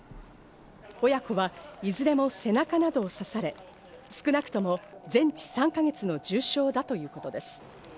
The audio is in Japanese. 親子はいずれも背中などを刺され、少なくとも全治３ヶ月の重傷だということです。